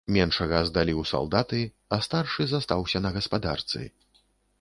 Меншага здалі ў салдаты, а старшы застаўся на гаспадарцы.